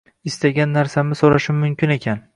Istagan narsamni soʻrashim mumkin ekan.